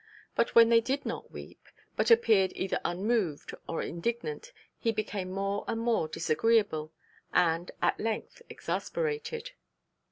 But when one did not weep, but appeared either unmoved, or indignant, he became more and more disagreeable: and, at length, exasperated.